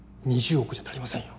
２０億じゃ足りませんよ